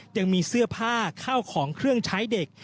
ยังมีเสื้อผ้าข้าวของเครื่องใช้เด็ก